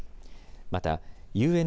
また、